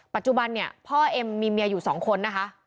ปัจจุบันเนี่ยพ่อเอ็มมีเมียอยู่สองคนนะคะ